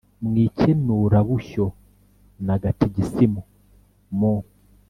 mw ikenurabushyo na gatigisimu mu